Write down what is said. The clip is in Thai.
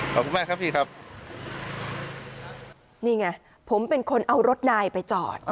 ขอบคุณมากครับพี่ครับนี่ไงผมเป็นคนเอารถนายไปจอด